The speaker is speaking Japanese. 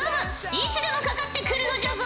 いつでもかかってくるのじゃぞ。